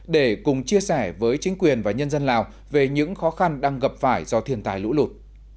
để cùng chia sẻ với chính quyền và nhân dân lào về những khó khăn đang gặp phải do thiền tài lũ lụt